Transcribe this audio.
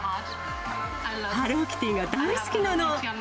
ハローキティが大好きなの。